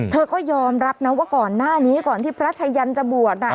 เธอก็ยอมรับนะว่าก่อนหน้านี้ก่อนที่พระชายันจะบวชน่ะ